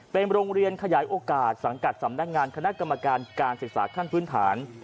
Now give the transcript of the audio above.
เป็นโรงเรียนขยายโอกาสสังกัดสำนักงานคณะกรรมการการศึกษาขั้นพื้นฐาน